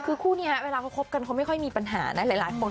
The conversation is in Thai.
คือคู่นี้เวลาเขาคบกันเขาไม่ค่อยมีปัญหานะหลายคน